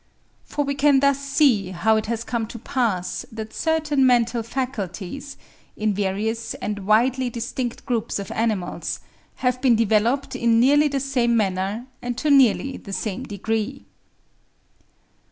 For we can thus see how it has come to pass that certain mental faculties, in various and widely distinct groups of animals, have been developed in nearly the same manner and to nearly the same degree.